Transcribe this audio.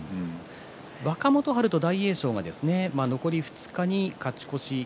若元春と大栄翔が残り２日に勝ち越し。